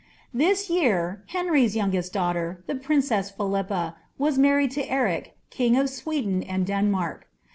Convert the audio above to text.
tThis year, Henry's youngest daughter, the princess Phdippa, wu " (I to Eric, king of Sweden and Denmark.